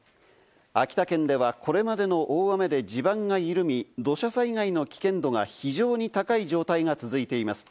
秋田県ではこれまでの大雨で地盤が緩み、土砂災害の危険度が非常に高い状態が続いています。